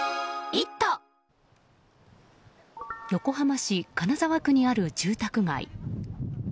横浜市金沢区にある住宅街。